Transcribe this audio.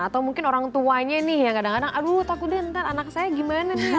atau mungkin orang tuanya nih yang kadang kadang aduh takut deh nanti anak saya gimana nih